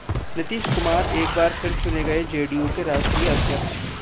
नीतीश कुमार एक बार फिर चुने गए जेडीयू के राष्ट्रीय अध्यक्ष